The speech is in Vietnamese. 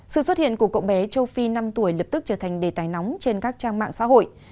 sự xuất hiện của cậu bé châu phi năm tuổi lập tức trở thành đề tài nóng trên các trang mạng xã hội